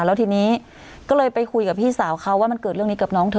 แล้วทีนี้ก็เลยไปคุยกับพี่สาวเขาว่ามันเกิดเรื่องนี้กับน้องเธอ